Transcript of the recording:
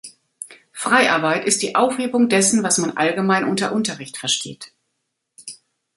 Freiarbeit ist die Aufhebung dessen, was man allgemein unter Unterricht versteht.